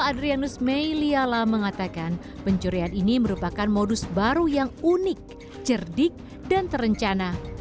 adrianus meiliala mengatakan pencurian ini merupakan modus baru yang unik cerdik dan terencana